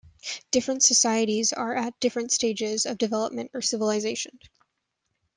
Different societies are at different stages of development or civilisation.